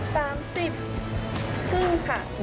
สามสิบครึ่งค่ะ